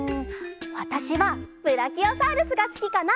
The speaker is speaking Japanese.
わたしはブラキオサウルスがすきかな！